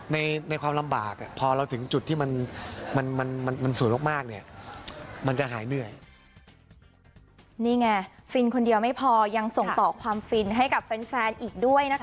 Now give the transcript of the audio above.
ในความลำบากพอเราถึงจุดที่มันสู่โรคมาก